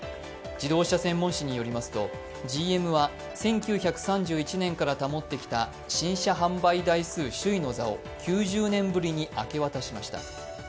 自動車専門誌によりますと、ＧＭは１９３１年から保ってきた新車販売台数首位の座を９０年ぶりに明け渡しました。